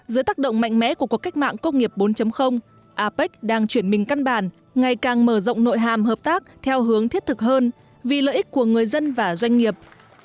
dưới tác động mạnh mẽ của cuộc cách mạng công nghiệp bốn apec đang chuyển mình căn bản ngày càng mở rộng nội hàm hợp tác theo hướng thiết thực hơn vì lợi ích của người dân và doanh nghiệp